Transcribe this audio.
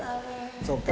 そっか。